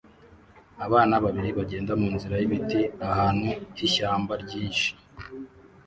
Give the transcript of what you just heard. Abana babiri bagenda munzira yibiti ahantu h'ishyamba ryinshi